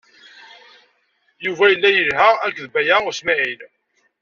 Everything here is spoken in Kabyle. Yuba yella yelha akked Baya U Smaɛil.